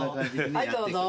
はいどうぞ。